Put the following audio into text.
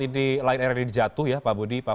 ini light aerody dijatuh ya pak budi pak